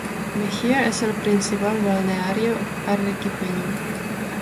Mejía es el principal balneario arequipeño.